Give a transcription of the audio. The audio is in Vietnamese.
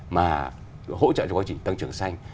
mà hỗ trợ cho quá trình tăng trưởng xanh